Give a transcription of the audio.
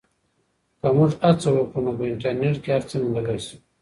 که موږ هڅه وکړو نو په انټرنیټ کې هر څه موندلی سو.